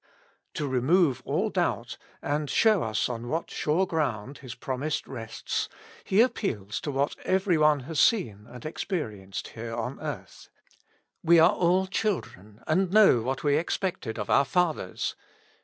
To remove all doubt, and show us on what sure ground His i^romise rests, He appeals to what every one has seen and experienced here on earth. We are all children, and know what we ex pected of our fathers.